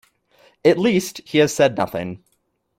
At least, he has said nothing.